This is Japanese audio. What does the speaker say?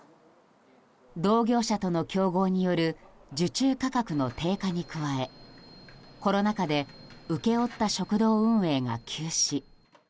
同業者との競合による受注価格の低下に加えコロナ禍で請け負った食堂運営が休止。